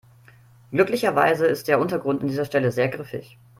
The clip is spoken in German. Glücklicherweise ist der Untergrund an dieser Stelle sehr griffig.